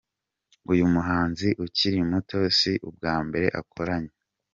uyu muhanzi ukiri muto si ubwa mbere akoranye